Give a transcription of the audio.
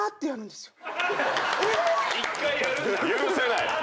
え⁉許せない？